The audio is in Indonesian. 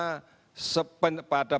pada pengelolaan jenazah